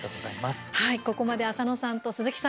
はい、ここまで浅野さんと鈴木さん